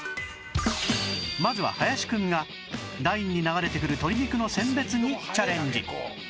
まずは林くんがラインに流れてくる鶏肉の選別にチャレンジ